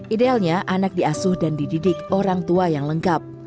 idealnya anak diasuh dan dididik orang tua yang lengkap